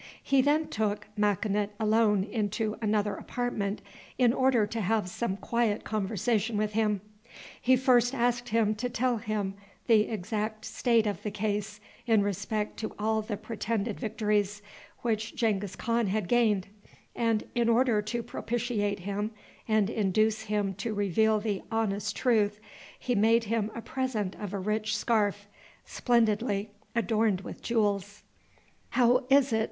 He then took Makinut alone into another apartment in order to have some quiet conversation with him. He first asked him to tell him the exact state of the case in respect to all the pretended victories which Genghis Khan had gained, and, in order to propitiate him and induce him to reveal the honest truth, he made him a present of a rich scarf, splendidly adorned with jewels. "How is it?"